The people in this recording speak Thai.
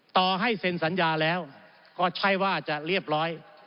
ต่อให้เซ็นสัญญาแล้วก็ใช่ว่าจะเรียบร้อย